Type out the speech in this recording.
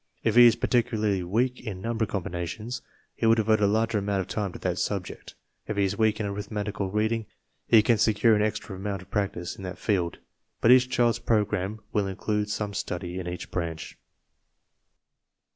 If he is particularly weak in number combinations, he will devote a larger amount of time to that subject. If he is weak in arithmetical 64 TESTS AND SCHOOL REORGANIZATION reading, he can secure an extra amount of practice in that field. But each child's program will include some study in each branch.